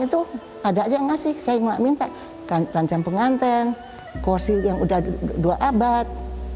itu ada aja enggak sih saya mau minta kan rancang pengantin kursi yang udah dua abad